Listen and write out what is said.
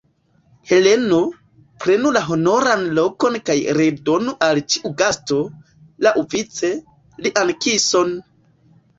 Heleno, prenu la honoran lokon kaj redonu al ĉiu gasto, laŭvice, lian kison!